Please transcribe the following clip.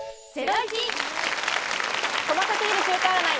細かすぎる週間占い。